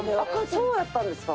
そうだったんですか？